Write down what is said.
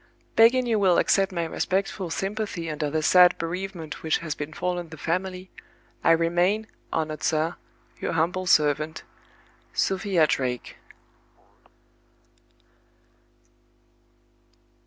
"Begging you will accept my respectful sympathy under the sad bereavement which has befallen the family, "I remain, honored sir, your humble servant, "SOPHIA DRAKE."